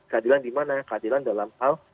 keadilan di mana keadilan dalam hal